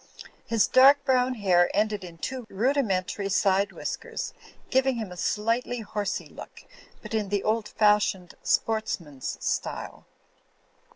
His dark brown hair ended in two rudi mentary side whiskers, giving him a slightly horsey look, but in the old fashioned sportsman's style.